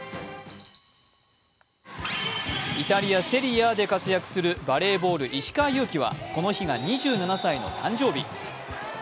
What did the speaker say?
イタリア・セリエＡで活躍するバレーボール・石川祐希はこの日が２７歳の誕生日。